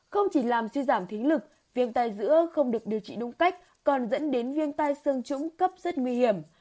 không chỉ làm suy giảm thính lực viêm tay giữa không được điều trị đúng cách còn dẫn đến viêm tay xương trũng cấp rất nguy hiểm